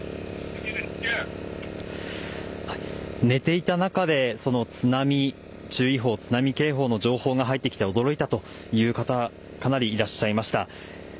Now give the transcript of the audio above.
寝ていた中で津波注意報津波警報の情報が入ってきて驚いたという方がかなりいらっしゃいました。